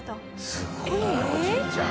すごいなおじいちゃん。